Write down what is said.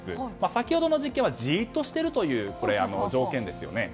先ほどの実験はじっとしているという条件でした。